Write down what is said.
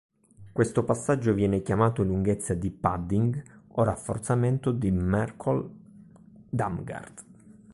Questo passaggio viene chiamato lunghezza di padding o rafforzamento di Merkle–Damgård.